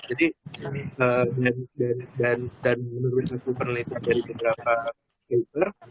jadi dan menurut penelitian dari beberapa paper